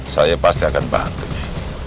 saya pasti akan bantunya